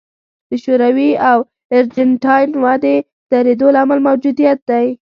د شوروي او ارجنټاین ودې درېدو لامل موجودیت دی.